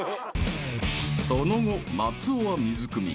［その後松尾は水汲み］